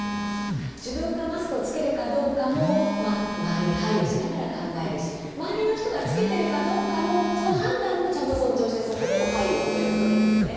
自分がマスクを着けるかどうかも周りに配慮しながら考えるし周りの人が着けているかどうかもその判断をちゃんと尊重してそこにも配慮をということですね。